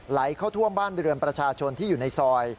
ไหลเข้าท่วมบ้านเรือนประชาชนที่อยู่ในซอย